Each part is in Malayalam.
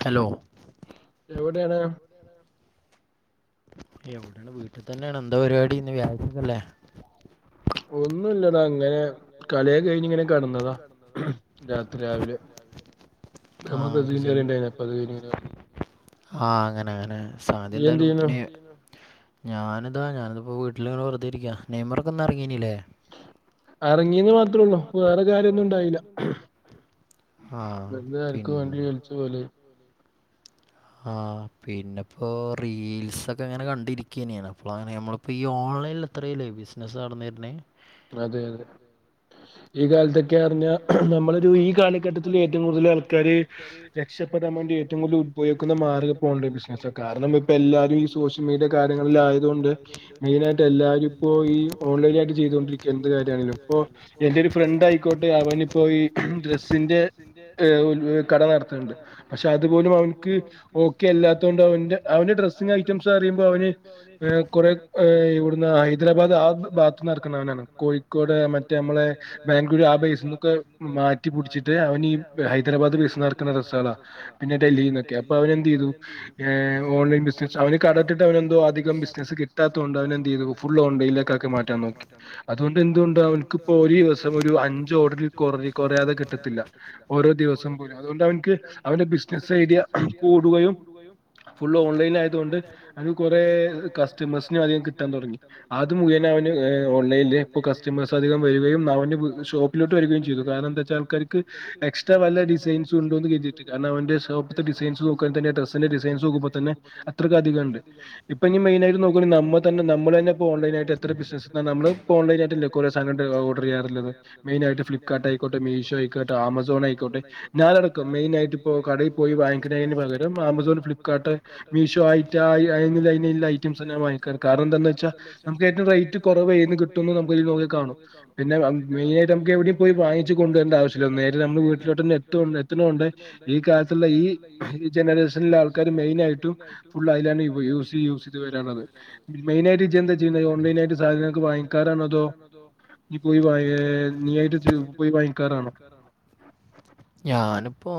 ഹലോ എവിടേണ് എവിടെണ് വീട്ടിൽ തന്നേണോ എന്താ പരിപാടി ഇന്ന് വ്യാഴ്ചക്കല്ലേ ഒന്നൂല്ലടാ ഇങ്ങനെ കളിയൊക്കെ കഴിഞ്ഞിങ്ങനെ കെടന്നതാ രാത്രി രാവിലെ നമ്മള് ബ്രസീലിന്റെ കളി ഇണ്ടാരുന്നേ അപ്പ [unintelligible] ആഹ് അങ്ങനെ അങ്ങനെ സാധ്യ എന്തായാലും ഇനീ ഞാനിതാ ഞാനിതിപ്പോ വീട്ടിലിങ്ങനെ വെറുതെ ഇരിക്കാ നെയ്മറ‌ക്കിന്ന് എറങ്ങീനില്ലേ എറങ്ങീന്ന് മാത്ര ഉള്ളൂ വേറെ കാര്യൊന്നും ഇണ്ടായില്ല. വെറുതെ ആർക്കോ വേണ്ടി കളിച്ച പോലെയായി ആഹ് പിന്നെ ഇപ്പോ റീൽസ് ഒക്കെ അങ്ങനെ കണ്ടിരിക്കെയ്ന് ഞാൻ അപ്പളാണ് അമ്മളിപ്പോ ഈ ഓ ൺലൈനിൽ എത്രേല് ബിസിനസ് നടന്ന് വെരണെ അതെ അതെ ഈ കാലത്തൊക്കെ അറിഞ്ഞാ നമ്മളൊരു ഈ കാലഘട്ടത്തിൽ ഏറ്റവും കൂടുതൽ ആൾക്കാര് രക്ഷപെടാൻ വേണ്ടി ഏറ്റവും കൂടുതൽ ഉദ്ബോയ്ക്കുന്ന മാർഗം ഇപ്പൊ ഓൺലൈൻ ബിസിനസാ. കാരണം ഇപ്പ എല്ലാരും ഈ സോഷ്യൽ മീഡിയ കാര്യങ്ങളിലായതുകൊണ്ട് മെയിൻ ആയിട്ട് എല്ലാരു ഇപ്പോ ഈ ഓൺലൈൻ ആയിട്ട് ചെയ്തോണ്ടിരിക്കാ എന്ത് കാര്യാണേലും. ഇപ്പോ എന്റെ ഒരു ഫ്രണ്ടായിക്കോട്ടെ അവനിപ്പോ ഈ ഡ്രസിന്റെ എഹ് ഒരു കട നടത്തെണ്ട്. പക്ഷെ അ തുപോലും അവൻക്ക് ഓക്കെ അല്ലാത്തോണ്ട് അവൻ്റെ അവന്റെ ഡ്രസ്സിങ് ഐറ്റംസ് അറിയുമ്പോ അവന് കൊറെ ഈഹ് ഇവിടുന്ന് ഹൈദരാബാദ് ആ ഭാഗത്തുനിന്ന് ഇറക്കുന്നവനാണ്. കോഴിക്കോട് മറ്റേ നമ്മളെ ബാ ഗ്ലൂര് ആ ബേസ്ന്നൊക്കെ മാറ്റിപ്പിടിച്ചിട്ട് അവൻ ഈ ഹൈദരാബാദ് ബേസിന്നെറക്കുന്ന ഡ്രസുകളാ. പിന്നെ ഡെ ല്ലീന്നൊക്കെ. അപ്പോ അവനെന്ത് ചെയ്തു ഏഹ് ഓൺലൈൻ ബിസിനസ് അവന് കട ഇട്ടിട്ട് അവനെന്തോ അധികം ബിസിനസ് കിട്ടാ ത്തോണ്ട് അവനെന്ത് ചെയ്തു ഫുൾ ഓൺലൈനിലേക്കാക്കി മാറ്റാൻ നോക്കി. അതുകൊണ്ട് എന്തുകൊണ്ടും അവനിക്കിപ്പോ ഒരു ദിവസം ഒരു അഞ്ച് ഓർഡറിൽ കുറഞ്ഞ് കുറയാതെ കിട്ടത്തില്ല ഓരോ ദിവസം പോലും. അതുകൊണ്ട് അവനിക്ക് അവന്റെ ബിസിനസ് ബിസിനസ്സ് ഐഡിയ കൂടുകയും ഫുൾ ഓൺലൈനിൽ ആയതുകൊണ്ട് അവന് കുറേ കസ്റ്റമേഴ്സിനെ അധികം കിട്ടാൻ തുടങ്ങി. അത് മുഖേന അവ ന് ഏഹ് ഓൺലൈനില് ഇപ്പോ കസ്റ്റമേഴ്സ് അധികം വരുകയും അവനു ഷോപ്പിലോട്ട് വരികയും ചെയ്തു കാരണം എന്താന്ന് വച്ചാ ആൾക്കാര്ക്ക് എക്സ്ട്രാ വല്ല ഡിസൈൻസും ഒണ്ടോന്ന് കരുതീട്ട് കാരണം അവൻ്റെ സ പ്പോപ്പ്ത്തെ ഡിസൈൻസ് നോക്കുവാൻ തന്നെ ഡ്രസിൻ്റെ ഡിസൈൻസ് നോക്കുമ്പോത്തന്നെ അത്രക്കധികം ഒണ്ട്. ഇപ്പോ ഇനി മെയിൻ ആയിട്ട് നോക്കുവാണേ ന നമ്മ തന്നെ നമ്മള് തന്നെ ഇപ്പോ ഓൺലൈനായിട്ട് എത്ര ബിസിനസാ നമ്മള് ഇപ്പോ ഓൺലൈനായിട്ടല്ലേ കൊറെ സാധനം ഓഡർ ചെയാറുള്ളത്. മെയിനായിട്ട് ഫ്ലിപ്പ്കാർട്ട് ആയിക്കോട്ടെ മീഷോ ആയിക്കോട്ടെ ആമസോണായിക്കോട്ടെ ഞാനടക്കം മെയിനായിട്ടിപ്പോ കടേ പോ പോയി വാങ്ങിക്കണെന് പകരം ആമസോൺ, ഫ്ലിപ്പ്കാർട്ട്, മീഷോ [unintelligible] കാരണം എന്താന്ന് വെച്ചാ നമുക്കേറ്റവും റേറ്റ് കൊറവ് ഏതിന്ന് കിട്ടുമെന്ന് നമുക്കതി നോക്കിയാ കാണും. പിന്നെ മെയിനായിട്ട് നമ്മുക്കെവിടെയും പോയി വാങ്ങിച്ചുകൊണ്ടുവരേണ്ട ആവശ്യവില്ല. നേരെ നമ്മളെ വീട്ടിലോട്ട് തന്നെ എത്തു എത്തണകൊണ്ട് ഈ കാലത്ത്ള്ള ഈ ഈ ജനറേഷനിലെ ആൾക്കാര് മെയിനായിട്ടും ഫുൾ അയിലാണ് യൂസ് യൂസ് ചെയ്ത് വര് ണത് മെയിനായിട്ട് ഇജ്ജ് എന്താ ചെയ്യുന്നേ ഓൺലൈനായിട്ട് സാധനവൊക്കെ വാ വാങ്ങിക്കാറാണോ അതോ ഞാനിപ്പോ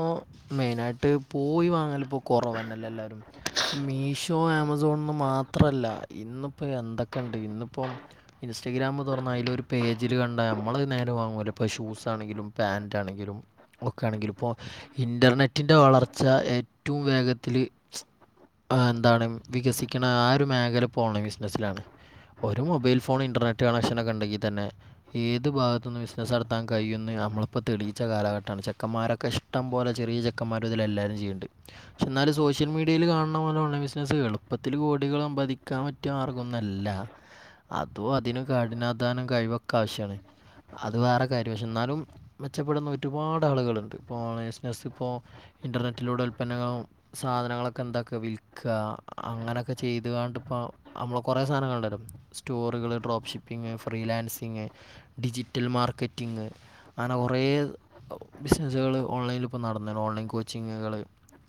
മെയിനായിട്ട് പോയി വാങ്ങലിപ്പോ കൊറവന്നെല്ലെല്ലാരും. ഇപ്പോ മീഷോ, ആമസോ സോൺ മാത്രവല്ല ഇന്നിപ്പോ എന്തൊക്കെണ്ട് ഇന്നിപ്പോ ഇൻസ്റ്റഗ്രാം തൊറന്ന അയിലൊരു പേ ജില് കണ്ടാ നമ്മള് നേരെ വാങ്ങൂലെ ഇപ്പോ ഷൂസാണെങ്കിലും പാൻ്റാണെങ്കിലും നോക്കുകണെങ്കിലിപ്പോ ഇന്റർനെറ്റിന്റെ വളർച്ച ഏറ്റോം വേഗത്തില് എന്താണ് വികസിക്കണ ആ ഒരു മേഖല ഓൺലൈൻ ബിസിനസ്സിലാണ് ഒരു മൊബൈൽ ഫോണും ഇന്റർനെറ്റ് കണക്ഷനൊക്കെ ണ്ടെങ്കി തന്നെ ഏത് ഭാഗത്തുനിന്നും ബിസിനസ്സ് നടത്താൻ കഴിയുമെന്ന് നമ്മളിപ്പോ തെളിച്ച കാലഘട്ടാണ്. ചെക്കൻമാരൊക്കെ ഇഷ്ടം പോലെ ചെറിയ ചെക്കൻമാര് മുതലെല്ലാരും ചെയ്യ്ണ്ട് പക്ഷേ എന്നാലും സോഷ്യൽ മീഡിയെല് കാണ്നാ പോലെ ഓൺലൈൻ ബിസിനസ് എളുപ്പത്തില് കോ ടികൾ സമ്പാദിക്കാൻ പറ്റിയ മാർഗോന്നല്ല അതും അതിന് കഠിനാധ്വാനം കഴിവൊ ക്കാവശ്യാണ്. അത് വേറെ കാര്യം. പഷേ എന്നാലും മെച്ചപ്പെടുന്ന ഒരുപാട് ആളുകളോണ്ട്. ഇപ്പോ ഓൺലൈൻ ബിസിനസ് ഇപ്പോ ഇൻറ്റർനെറ്റിലൂടെ ഉൽപ്പന്നങ്ങളും സാധനങ്ങളൊക്കെ എന്താക്കുക വിൽക്കുക അങ്ങനെയൊക്കെ ചെയ്തുകൊണ്ടി പ്പോ നമ്മളെ കൊറേ സാധനങ്ങളോണ്ടല്ലോ സ്റ്റോറുകൾ, drop shipping, freelancing, digital marketing അങ്ങനെ കൊറേ ബിസിനസ്കള് ഓൺലൈൻ ല്പ്പം നടന്ന്ണ് ഓൺലൈൻ കോച്ചിങ്ങ്കള്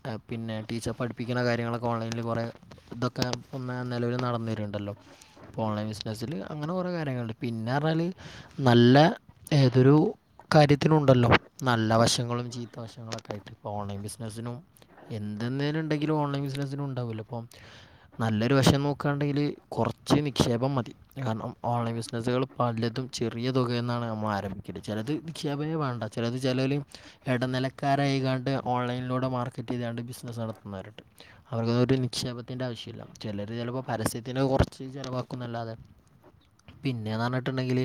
ഏ പിന്നെ ടീച്ചർ പഠിപ്പിക്ക്ണ കാര്യങ്ങളൊക്കെ ഓൺലൈനിൽ കുറേ ഇതൊക്കെ ഇന്ന് നിലവിൽ നടന്ന് വര്ണ്ടല്ലോ ഓൺലൈൻ ബിസിനസ്സില് അങ്ങനെ കുറേ കാര്യങ്ങള്ണ്ട്. പിൻ ഞ്ഞാർഞ്ഞാല് നല്ല ഏതൊരു കാര്യത്തിനുണ്ടല്ലോ നല്ല വശങ്ങളും ചീത്ത വശങ്ങളൊക്കായിട്ട്. ഓൺലൈൻ ബിസിനസിനും എ അതെന്തെലുണ്ടെങ്കിലു ഓൺലൈൻ ബിസിനസിനും ഉണ്ടാവ് ല്ലോ ഇപ്പം നല്ലൊരു വശം നോക്കാണ്ടെങ്കില് കൊ റച്ച് നി ക്ഷേപം മതി. കാരണം ഓൺലൈൻ ബിസിനസ്സ് കൾ പലതും ചെറിയ തുകെന്നാണ് നമ്മള് ആരംഭിക്കല്. ചെലത് നിക്ഷേഭയെ വേണ്ട. ചെലത് ചെലോല് എട നെ നെലക്കാരായിക്കാണ്ട് ഓൺലൈനിലൂടെ മാർക്കറ്റ് യ്താണ്ട് ണ്ട് ബിസിനസ്സ് നടത്തുന്നവരുണ്ട്. അവർക്കൊക്കെ നിക്ഷേപത്തി ന്റെ ആവശ്യല്ല. ചെലര് ചെലപ്പ പരസ്യത്തിന് കൊറച്ച് ചിലവാക്കുന്നല്ലാതെ പിന്നെന്നറ്ഞ്ഞി ട്ടുണ്ടെങ്കിൽ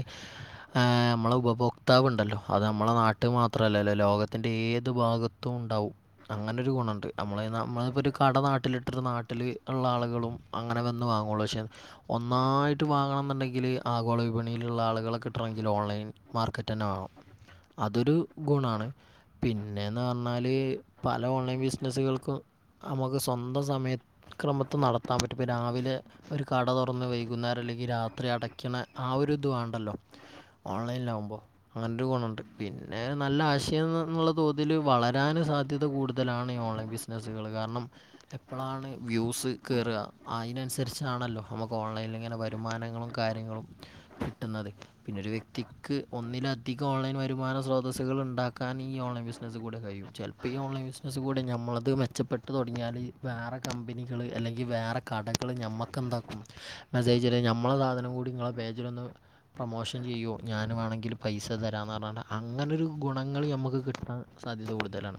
നമ്മളെ ഉപഭോക്താവ് ഉണ്ടല്ലോ അത് നമ്മളെ നാട്ടിൽ മാത്രമല്ലല്ലോ ലോകത്തിന്റെ ഏത് ഭാഗത്തും ഉണ്ടാവും അങ്ങനൊ രു ഗുണമുണ്ട് നമ്മള നമ്മളിപ്പോ ഒരു കട നാട്ടിലിട്ടിട്ട് നാട്ടിൽ ഉള്ള ആളുകളും അങ്ങനെ വന്ന് വാങ്ങുകുള്ളു പക്ഷേ ഒന്നായിട്ട് വാങ്ങണംമെന്നുണ്ടെങ്കിൽ ആഗോള വിപണിയിലുള്ള ആളുകളെ കിട്ടണമെങ്കിൽ ഓൺലൈൻ മാർക്കറ്റ് തന്നെ വേണം അതൊരു ഗുണാണ് പിന്നെന്ന് പറഞ്ഞാല് പല ഓൺലൈൻ ബിസിനസുകൾക്കും നമുക്ക് സ്വന്തം സമയക്രമത്ത് നടത്താൻ പറ്റും ഇപ്പ രാവിലെ ഒരു കട തുറന്ന് വൈകുന്നേരം അല്ലങ്കിൽ രാത്രി അടക്കണ ആ ഒരുരിത് വേണ്ടല്ലോ ഓൺലൈനില് ആകുമ്പോ അങ്ങന ഒരു ഗുണുണ്ട് പിന്നെ നല്ല ആശയം എന്നുള്ള തോതിൽ വളരാന് സാധ്യത കൂടുതലാണ്ഈ ഓൺലൈൻ ബിസിനസ്സുകൾ കാരണം എപ്പോഴാണ് വ്യൂസ് കയറുക ഇതിനനുസരിച്ചാണല്ലോ നമുക്ക് ഓൺലൈനിലിങ്ങനെ വരുമാനങ്ങളും കാര്യങ്ങളും കിട്ടുന്നത് പിന്നൊ ഒരു വ്യക്തിക്ക് ഒന്നിലധികം ഓൺലൈൻ വരുമാന സ്രോതസ്സുകൾ ഉണ്ടാക്കാൻ ഈ ഓൺലൈൻ [unintelligible] കഴിയും ചിലപ്പോ ഈ ഓൺലൈൻ ബിസിനസ്സുകുടെ നമ്മടേത് മെച്ചപ്പെട്ട് തുടങ്ങിയാല് വേറെ കമ്പിനികള് അല്ലെങ്കിൽ വേറെ കടകൾ ഞമ്മക്കെന്താക്കും മെസേജ് ഇട ഞമ്മളെ സാധനം കൂടി ങ്ങളെ അതിലോന്ന് പ്രൊമോഷൻ ചെയ്യോ ഞാൻ വേണമെങ്കിൽ പൈസ തരാമന്ന് പറഞ്ഞാ അങ്ങനൊരു ഗുണങ്ങൾ നമുക്ക് കിട്ടാൻ സാധ്യത കൂടുലാണ്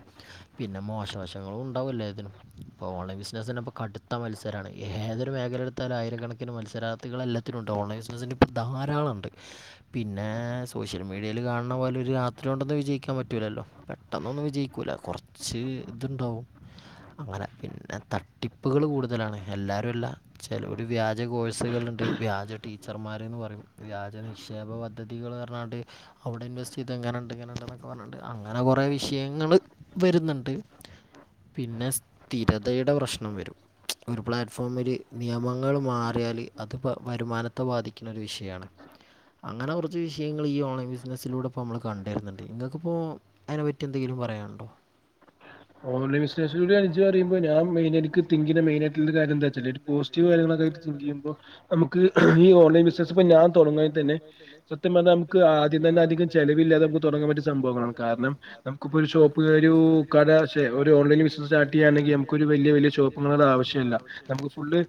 പിന്നെ മോശം വശങ്ങളുമുണ്ടാവുമല്ലോ ഏതിനും ഇപ്പ ഓൺലൈൻ ബിസിനസ്‌ ഇപ്പ കടുത്ത മത്സരമാണ് ഏതൊരു മേഖല എടുത്താല് ആയിരക്കണക്കിന് മത്സരാർഥികൾ എല്ലാത്തിനും ഉണ്ട് ഓൺലൈൻ ബിസിനസ്സില് ധാരാളമുണ്ട് പിന്നെ സോഷ്യൽ മീഡിയയിൽ കാണുന്ന പോലെ ഒരു രാത്രികൊണ്ടൊന്നും വിജയിക്കാൻ പറ്റില്ല ല്ലല്ലോ പെട്ടെന്നൊന്നും വിജയിക്കൂല കുറച്ച് ഇതുണ്ടാവും അങ്ങനെ പിന്നെ തട്ടിപ്പുകൾ കൂടുതലാണ് എല്ലാരും അല്ല ചിലവര് വ്യാജ കോഴ്സുകൾ ണ്ട് വ്യാജ ടീച്ചർമാർ പറയും വ്യാജ നിക്ഷേപ പദ്ധതികൾ പറഞ്ഞോണ്ട് അവിടെ ഇൻവെസ്റ്റ് ചെയ്ത് എങ്ങനെയുണ്ട് ഇങ്ങനെയുണ്ട് എന്നൊക്കെ പറഞ്ഞോണ്ട് അങ്ങനെ കൊറെ വിഷയങ്ങള് വരുന്നുണ്ട് പിന്നെ സ്ഥിരതയുടെ പ്രശ്നം വരും ഒരു പ്ലാറ്റ്ഫോമില് നിയമങ്ങൾ മാറിയാൽ അത് വരുമാനത്തെ ബാധിക്കും [unintelligible] ഒരു വിഷയമാണ് അങ്ങനെ കുറച്ച് വിഷയങ്ങള് ഈ ഓൺലൈൻ ബിസിനസ്സിലൂടെപ്പ നമ്മള് കണ്ടു വരുന്നുണ്ട് നിങ്ങൾക്കിപ്പോ അതിനെ പറ്റി എന്തെങ്കിലും [unintelligible] പറയാനുണ്ടോ ഓൺലൈൻ ബിസിനസ [unintelligible] ഞാൻ മെയിൻ എനിക്ക് തിങ്ക് ചെയ്യുന്ന മെയിനായിട്ടുള്ള കാര്യം എന്താന്നുവെച്ചാല് പോസിറ്റീവ് കാര്യങ്ങളൊക്കെ [unintelligible] ചെയ്യുമ്പോ നമുക്ക് ഈ ഓൺലൈൻ ബിസിനസ് ഇപ്പ ഞാൻ തുടങ്ങുവെങ്കിൽ തന്നെ സത്യം പറഞ്ഞ നമുക്ക് ആദ്യം തന്നെ അധികം ചെലവില്ലാതെ നമുക്ക് തുടങ്ങാൻ പറ്റിയ [unintelligible] സംഭവങ്ങളാണ് കാരണം നമുക്കിപ്പോ ഒരു ഷോപ്പ് ഒരു [unintelligible] പക്ഷെ ഒരു ഓൺലൈൻ ബിസിനസ് സ്റ്റാർട്ട് ചെയ്യണെങ്കിൽ നമുക്ക് ഒരു വലിയ വലിയ ഷോപ്പുകൾടെ ആവശ്യമില്ല നമുക്ക്‌ ഫുള്ള്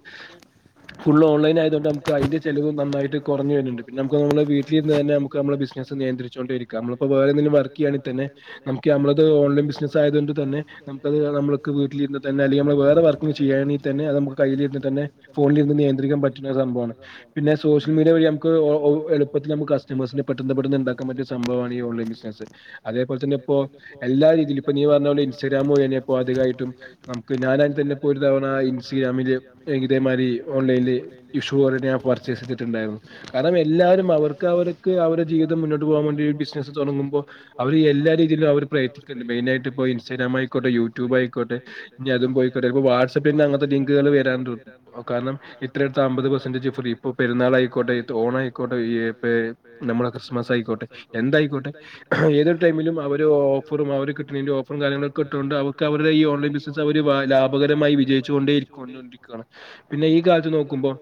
ഫുള്ള് ഓൺലൈൻ ആയതുകൊണ്ട് നമുക്ക് അതിന്റെ ചി ചെലവ് നന്നായിട്ട് കുറഞ്ഞ് വരണ്ട് പിന്നെ മ്മക്ക് മ്മളെ വീട്ടീന്ന് തന്നെ നമക്ക്‌ നമ്മളെ ബിസിനസ് നിയന്ത്രിച്ചു കൊണ്ടേയിരിക്കാം നമ്മള് പ്പ വേറെ ന്തെങ്കിലും വർക്ക് ചെയ്യാണിത്തന്നെ നമുക്കിയ മ്മളത് ഓൺലൈൻ ബിസിനസായത് ണ്ട് തന്നെ നമുക്കത് നമ്മൾക്ക് വീട്ടിൽ ഇരു ന്ന് തന്നെ അല്ലെങ്കി നമ്മള് വേറെ വർക്ക് ചെയ്യാണെങ്കി തന്നെഅത് നമുക്ക് കയ്യിലിന്ന് തന്നെ ഫോണിലിരുന്ന് നിയന്ത്രിക്കാൻ പറ്റുന്ന സംഭവാണ് പിന്നെ സോഷ്യൽ മീഡിയ വഴി അമുക്ക് ഒ ഒ എുപ്പത്തിലമുക്ക് കസ്റ്റമേഴ്സിനെ പെട്ടെന്ന്പെട്ടെന്ന് ഉണ്ടാക്കാൻ പറ്റിയ സംഭവമാണ് ഈ ഓൺലൈൻ ബിസിനസ്. അതേപോലത്തന്നെ പ്പോ എല്ലാ രീതിയിലിപ്പൊ നീ പറഞ്ഞ അതോണ്ട് ഇൻസ്റ്റഗ്രാമ് കയിഞ്ഞപ്പോ ആദലായിട്ടും നമുക്ക് ഞാനതിതന്നെ ഒരു തവണ ഇൻസ്റ്റഗ്രാമില് ഏകതൈമ് അര് ഓൺലൈനില് ഇഷ്യു അറിയാം പർച്ചേസ് തിട്ടുണ്ടായിരുന്നു കരണം എല്ലാരും അവർക്ക് അവർക്ക് അവരെ ജീവിതം മുന്നോട്ട് പോകാൻ വേണ്ടി ബിസിനസ് തുറന്നു മ്പോ അവര് എല്ലാ രീതിയിലും അവര് പ്രയത്നിക്കുണ്ട് മെയിനായിട്ടിപ്പോ ഇൻസ്റ്റ സ്റ്റഗ്രാമായിക്കോട്ടെ യൂട്യൂബായി ക്കോട്ടെ ഇനി അതും പോയിക്കോട്ടെ ഇപ്പോ വാട്സപ്പന്നെ അങ്ങനത്തെ ലിങ്കുകൾ വരാൻറു കാരണം ഇത്രയെടുത്ത അമ്പത് പർസന്റേജ് ഫ്രീ പ്പൊ പെരുന്നാളായിക്കോട്ടെ ട്ടോ ണായിക്കോട്ടെ ഏ പേ നമ്മളെ ക്രിസ്മസായിക്കോട്ടെ എന്തായിക്കോട്ടെ ഏത് ടൈമിലും അവര് ഓഫറും അവര് കിട്ടുന്നയിന്റെ ഓഫറ് ഫറും കാര്യങ്ങളൊക്കെ ഇട്ടൊണ്ട് അവക്ക് അവര്ടെ ഈ ഓൺലൈൻ ബിസിനസ് അവര് വാ ലാഭകരമായി വിജയിച്ചുകൊണ്ടേയിരിക്കൊറഞ്ഞോ ണ്ടിരിക്കാണ്‌ പിന്നെ ഈകാലത്ത് നോക്കുമ്പോൾ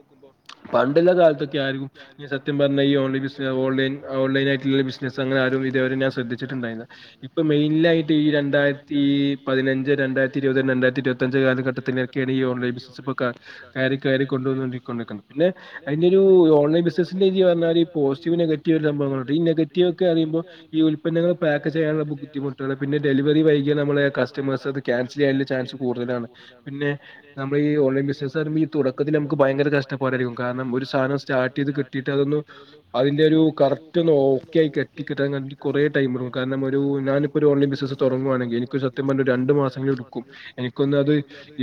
പണ്ടില്ല കാലത്തൊക്കെ ആരും ഈ സത്യം പറഞ്ഞ ഈ ഓണി ബിസിനെസ്സ് ഓൺലൈൻ ഓൺലൈനായിട്ടുള്ള ബിസിനസ് അങ്ങന ആ പല വീഡിയോലും ഞാൻ ശ്രദ്ധിച്ചിട്ട് ണ്ടായിര്ന്നു ഇപ്പ മെയിൻലായിട്ട് ഈ രണ്ട് ണ്ടായിര്ത്തി പതിനഞ്ച് രണ്ടായിര്ത്തി ഇരുവത് രണ്ടായിരത്തി ഇരുവത്തഞ്ച് കാലഘട്ടത്തിനെടക്ക് ഈ ഓൺലൈൻ ബിസിനസ് ഇപ്പ ക കയറി കയറി കൊണ്ടുവന്നോണ്ടി കൊണ്ടെക്കണം പിന്നെ അയിന്റെ ഒരു ഓൺലൈൻ ബിസിനസിന്റെ തി പറഞ്ഞാല് ഈ പോസിറ്റീവ് നെഗറ്റീവ് ഒരു സംഭവങ്ങളുണ്ട് ഈ നെഗറ്റീവ് ഒക്കെ ആണ് അപ്പ ഈ ഉൽപന്നങ്ങൾ പേക്ക് ചെയ്യാള്ള ഒക്കെ ബുദ്ധിമുട്ട്ള് പിന്നെ ഡെലി വെറി വൈകിയത് നമ്മളെ കസ്റ്റമേഴ്‌സ് അത് ക്യാൻസല് ചെയ്യാല്ല ചാൻസ് കൂടുതലാണ് പിന്നെ നമ്മളെ ഈ ഓൺലൈൻ ബിസി സാറിമ്പ ഈ തുടക്കത്തിൽ നമക്ക് ഭയര കഷ്ടപാടായിരിക്കും കാരണം ഒരു സാധനം സ്റ്റാർട്ട് ചെയ്ത് കിട്ടിയിട്ട് അതൊന്ന് അതിന്റെ ഒരു കറക്റ്റ് ഒന്ന് ഓക്കെ ആയി കുറേ ടൈമിടും കാരണം ഒരു ഞാനി പ്പോ ഒരു ഓൺലൈ ബിസിനസ് തുറങ്ങുവാണെങ്കിൽ എനിക്കു സത്യം പറഞ്ഞ രണ്ട് മാസമെ എടുക്കും എനിക്കൊന്ന് അത്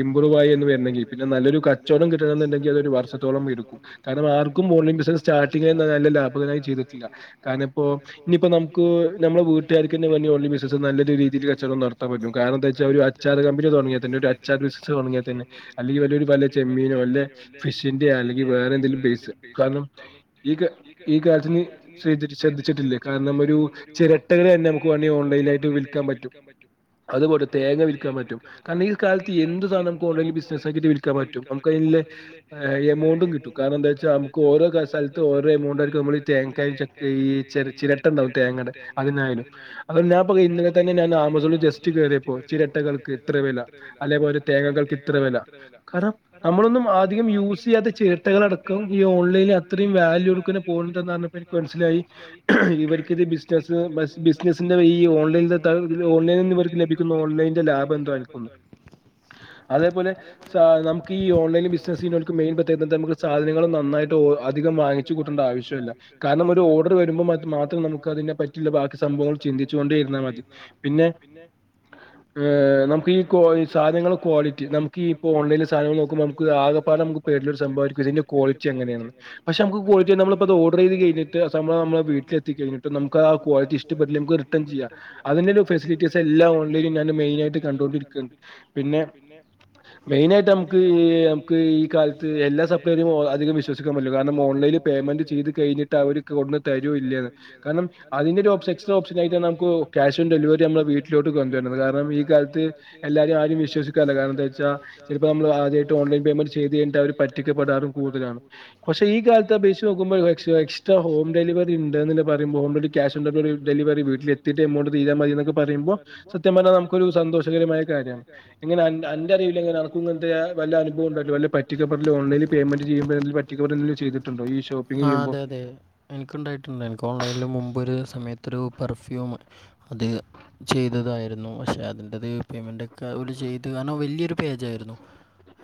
ഇമ്പ്രൂവ് ആയി ഒന്ന് വരണെങ്കിൽ നല്ലൊരു കച്ചോടം കിട്ടണെന്ന്ണ്ടെങ്കി അത് ഒരു വർഷത്തോളം എ രുക്കും കാരണം ആർക്കും ഓൺ ലൈൻ ബിസിനെസ്സ് സ്റ്റാർട്ടിങ്ങായി [unintelligible] നല്ല ലാഭകരായി ചെയ്തിട്ടില്ല കാരണം ഇപ്പൊ ഇനി ഇപ്പം നമുക്ക് നമ്മുടെ വീട്ടുകാര്ക്കെന്നെ വേണ്ടി ഓൺലൈൻ ബിസിനസ്സ് നല്ലൊരു രീതിയില് കച്ചോടം നടത്താൻപറ്റും കാരണംന്താച്ചാ ഒരു അച്ചാറ് കമ്പനി തുടങ്ങിയാ തന്നെ ഒര് അച്ചാർ ബിസിനസ് തുടങ്ങിയാ തന്നെ അല്ലെങ്കി ഒരോര് ബ ചെമ്മീനോ അല്ലെ ഫിഷിന്റെ അല്ലെ ഇനി വേറെന്തെങ്കിലും പേസ് കാരണം ഈ കാ ഈ കാര്യത്തിന് [unintelligible] ശ്രെദ്ധിച്ചിട്ടില്ലേ കാരണം ഒരൂ ചെരട്ടകളെന്നെ നമുക്ക് വേണ്ടി ഓൺ ലൈനായിട്ട് വിൽക്കാം വിൽക്കാൻ പറ്റും അത് പോട്ടെ തേങ്ങ വിൽക്കാൻ പറ്റും കാരണംഈകാലത്ത് എന്ത് സാനം നമുക്ക് ഓൺ ലൈനിൽ ബിസിന സായിട്ട് വിൽക്കാൻ പറ്റും നമുക്ക് അയിനില്ലേ ഏ എ മൗണ്ടും കിട്ടും കാരണം എന്താച്ചാ നമക്ക് ഓരോ ക സ്ഥലത്ത് ഓരോ എമൗണ്ട് ആയിരിക്കും നമ്മള് ഈ തേങ്ങക്കായി ചെലപ്പ ഈ ചെര ചിര ട്ടണ്ടാവും തേങ്ങടെ അത് നായാലും അത് ണ്ട് ഞാഇപ്പ ഇന്നലെ തന്നെ ഞാൻ ആമസോണിൽ ജസ്റ്റ് കേറിയപ്പോ ചിരട്ടകൾക്ക് ഇത്ര വില അലെ പോലെ തേങ്ങകൾക്ക് ഇത്ര വില കാരണം നമ്മളൊന്നും ആധികം യൂസ് യ്യാത്ത ചിരട്ടകളടക്കം ഈ ഓൺലൈനിൽ അത്രിം വാല്യൂ ട്ക്ക്ന്ന ബോണ്ട്‌ന്നറി ഞ്ഞപ്പഎനിക്ക് മനസിലായി ഇവ രിക്കിത് ഈ ബിസിനെസ്സ് ബസ് ബിസിനെ ഓൺലൈന്റത്ത് അത് ഇതില് ഓൺലൈൻൽ നിന്ന് വർക്ക് ലഭിക്കുന്ന ഓൺലൈന്റെ ലാഭം എന്തായിരി [unintelligible] അതേപോലെ സാ നമുക്ക് ഈ ഓൺ ലൈനിൽ ബിസിനസ്യ്യ്ണോല്ക്ക് മെയിൻ ബെ യ്തിട്ട് നമുക്ക് സാധനങ്ങള് നന്നായിട്ട് ഓ അധികം വങ്ങിച്ചു കൂട്ടണ്ട ആവശ്യല്ല കാരണം ഒരു ഓർഡർ വരുമ്പ മാറ്റ് മാ ത്രം നമുക്ക് അതിന്റെ പറ്റിയുള്ള ബാക്കി സംഭവങ്ങൾ ചിന്തിച്ചു കൊണ്ടേ ഇരുന്നാ മതി പിന്നെ ഹ് നമുക്ക് ഈ കോയി സാനങ്ങള് ക്വാളിറ്റി നമുക്ക് ഇപ്പോ ഓൺലൈനിൽ സാനങ്ങള് നോക്കുമ്പോ നമുക്ക് ആകപാടെ നമുക്ക് പേരിലൊരു സാ ഭവായിരിക്കും ഇതിന്റെ ക്വളിറ്റി എങ്ങെനെയാണെന്ന് പക്ഷെ നമ്മക്ക് ക്വളിറ്റി അല്ല നമ്മള് ഇപ്പ ഇത് ഓർഡർ യത് കഴിഞ്ഞിട്ട് സാന മ്മളെ വീട്ടി ലെത്തിക്കും ഴിഞ്ഞിട്ടും നമുക്ക് ആ ക്വാളിറ്റി ഇ്ടപ്പെട്ടില്ലെങ്കി നമുക്ക് റിട്ടൺ ചെയ്യാം അതിന്റെ ഒരു ഫെസിലിറ്റീസ് എല്ലാം ഓൺലൈൻലും ഞാന് മെയിൻ ആയിട്ട് കണ്ടൊണ്ടിരിക്കാണ് പിന്നെ മെയിന ആയിട്ട് നമുക്ക് ഏ നമുക്ക് ഈ കാലത്ത് എല്ലാ സപ്ലയിന്റെ [unintelligible] അല്ലെങ്കി വിശ്വസിക്കാൻ പറ്റില്ല കാരണം ഓൺലൈനില് പേയ്മെന്റ് ചെയ്ത് കഴിഞ്ഞിട്ട് അവര് ഇക്ക് കൊണ്ട്ന്ന് തരൊ ഇല്ലെന്ന് കാരണം അതി ക്യാഷും ഡെലിവരി നമ്മളെ വീട്ട്ലോട്ട് ചിലപ്പോ നമ്മള് ആദ്യായിട്ട് ഓൺലൈൻ പേയ്‌മെന്റ് ചെയ്ത് കഴിഞ്ഞിട്ട് അവര് പറ്റിക്കും വാടാറ് കൂട്ലാണ് പക്ഷേ ഈ കാലത്ത് അപേക്ഷിച്ച് നോക്കുമ്പ രു പക്ഷെ ഓൾറെഡ ക്ഷ് ഓ ഡെലിവറി വീട്ടിൽ എത്തിട്ട് മോ തീരാ മതിൊക്കെ പറയുമ്പോ സത്യം പറഞ്ഞാൽ നമുക്ക് ഒരു സന്തോഷകരമായ കാര്യമാണ്നെന്റെ അറിൽന ന ഇങ്ങനത്തെ വല്ല അനുഭവ ഉണ്ടല്ലല്ല പറ്റപ്പെട ഓല പേയ്മെന്റ് ചെയ്യ്പോിലും പറ്റിക്ക എന്തെിലും ചെയ്തിട്ടുണ്ടോ ഈ ഷോപ്പിംഗ് ചെയ്യുമ്പോ അതില് മുമ്പൊരു സമയത്ത് ഒത്ര പെർഫ്യൂം അത് ചെയ്തതായിരുന്നു പക്ഷെ അതിൻറേത് പേയ്മെൻറ് ഒെ ഒരു ചെയ്ത് കാരണം വലിയൊരു പേജ്ായിയിരുന്നു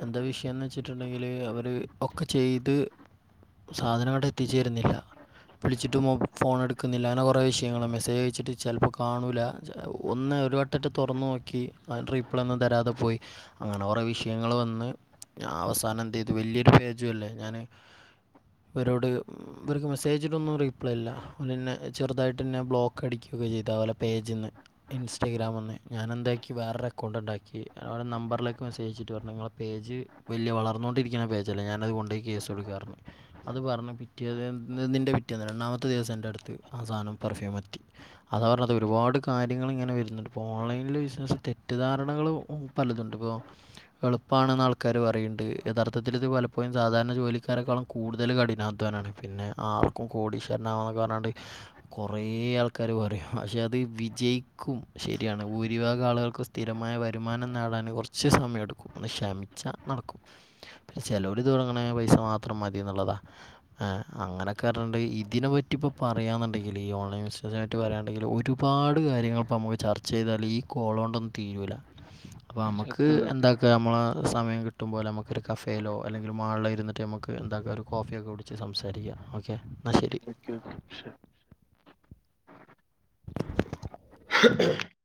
എന്താ വിഷയംന്ന് വെച്ചിട്ടുണ്ടെങ്കിൽ അവര് ഒക്കെ ചെയ്ത് സാധനങ്ങട്ട എത്തിച്ചേരുന്നില്ല വിളിച്ചിട്ട് ഫോൺ എടുക്കുന്നില്ല അങ്ങനെ കുറെേ വിഷയങ്ങൾ മെസ്സേജ് വെച്ചിട്ട് ചിലപ്പോൾ കാണൂില്ല ഒന്ന് ഞാൻ ഒരു വട്ടാറ്റം തൊറന്നു നോക്കി അതിന് റിപ്ലേന്നും തരാതെ പോയി അങ്ങനെ കുറെ വിഷയങ്ങൾ വന്ന് ഞാൻ അവസാനം എന്ത് ചെയ്തു വല്യൊരു പേജും അല്ലേ ഞാന് ഇവരോട് ഇവർക്ക് മെസ്സേജിലൊന്നും റീപ്ലൈ ഇല്ല അന്നെ ചെറുതായിട്ട്ന്നെ ബ്ലോക്ക് അടിക്കും ചെയ്ത പോലെ പേജ്ന്ന് ഇൻസ്റ്റഗ്രാം ഒന്ന് ഞാനെന്താക്കി വേറെ ഒരു അക്കൗണ്ട്ണ്ടാക്കി അവരുടെ നമ്പറിലേക്ക് മെസ്സേജയച്ചിട്ട് പറഞ്ഞു നിങ്ങളെ പേ [unintelligible] വല്യ വളർന്നോണ്ടിരി [unintelligible] പേജല്ലേ ഞാനൻത് കൊണ്ട് കേസ് കൊടുക്കാന്ന് പറഞ്ഞു അത് പറഞ്ഞ പിറ്റേതിന്റെ പിറ്റേ രണ്ടാമത്തെ ദിവസ എന്റടുത്തു ആ സാധം പെർഫ്യൂം എത്തി അതാ പറഞ്ഞത് ഒരുപാട് കാര്യങ്ങൾ ഇങ്ങനെ വരുന്നുണ്ട് ഇപ്പൊ ഓൺലൈനിൽ തെറ്റിദ്ധാരണകൾ പലതുണ്ട് ഇപ്പോ എളുപ്പമാണെന്ന് ആൾക്കാർ പറയുന്നുണ്ട് യഥാർത്ഥ യഥാർത്ഥത്തിൽഇത് പലപ്പോഴും സാധാരണ ജോലിക്കാരെക്കാളും കൂടുതൽ കഠിനാധ്വാനാണ് പിന്നെ ആർക്കും കോടീശ്വരൻ ആവാ പറഞ്ഞണ്ട് കൊറേ ആൾക്കാര് പറയും പക്ഷെ അത് വിജയിക്കും ശരിയാണ് ഭൂരിഭാ ഭാഗം ആളുകൾക്ക് സ്ഥിരമായ വരുമാനം നേടാൻ കുറച്ചു സമയം എടുക്കും ഒന്ന് ക്ഷമിച്ച നടക്കും ചെലോര് തുടങ്ങണെന് പൈസ മാത്രം മതി എന്നുള്ളതാഎ അങ്ങനൊക്കെ പറഞ്ഞിണ്ട് ഇതിനെ പറ്റി ഇപ്പോ പറയാന്നുണ്ടെങ്കിൽ ഈ ഓൺലൈൻ ബസിനെസ്സായിട്ട് പറയാനുണ്ടെങ്കിൽ ഒരുപാട് കാര്യങ്ങൾ ഇപ്പ നമുക്ക് ചർച്ച ചെയ്താല് ഈ കോ [unintelligible] ന്നും തീരൂല അപ്പ നമുക്ക് എന്താക്ക നമ്മള സമയം കിട്ടുമ്പോല നമ്മൾ കഫേയിലോ അല്ലെങ്കിൽ മാളിലോ ഇരുന്നിട്ട് നമുക്ക് എന്താക്ക ഒരു കോഫിയൊക്കെ കുടിച്ച് സംസാരിക്കാം ഓക്കെ എന്നാൽ ശരി [unintelligible] [unintelligible] [unintelligible]